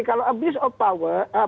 kalau abuse of power